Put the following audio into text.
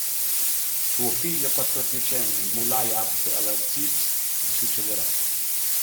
Suo figlio quattordicenne Mulay 'Abd al-Aziz gli succederà.